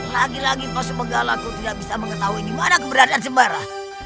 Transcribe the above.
lagi lagi pak subenggala aku tidak bisa mengetahui di mana keberadaan sembara